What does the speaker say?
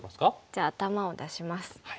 じゃあ頭を出します。